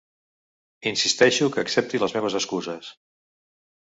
Insisteixo que accepti les meves excuses.